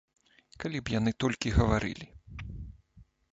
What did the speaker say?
Калі б яны толькі гаварылі!